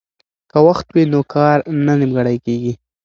که وخت وي نو کار نه نیمګړی کیږي.